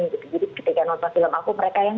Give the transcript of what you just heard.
jadi ketika nonton film aku mereka yang